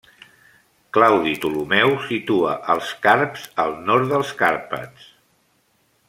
Claudi Ptolemeu situa als carps al nord dels Carpats.